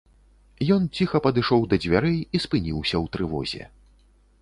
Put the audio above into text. Ён ціха падышоў да дзвярэй і спыніўся ў трывозе.